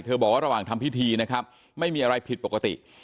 เธอบอกในทั้งพิธีไม่มีอะไรผิดปกติ